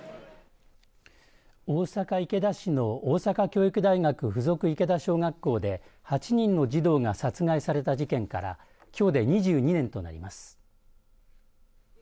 大阪、池田市の大阪教育大学附属池田小学校で８人の児童が殺害された事件からきょうで２２年となります。